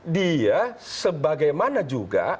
dia sebagaimana juga